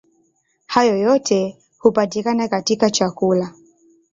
Hayo yote hupatikana katika chakula.